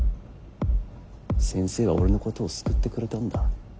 先生は俺のことを救ってくれたんだ。